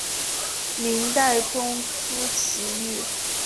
明代宗朱祁钰。